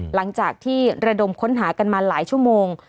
หลังจากที่ระดมค้นหากันมาหลายชั่วโมง